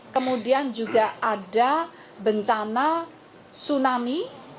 kemudian juga ada bencana tsunami